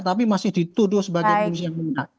tapi masih dituduh sebagai polisi yang menang